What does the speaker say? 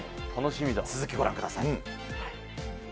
続きご覧ください。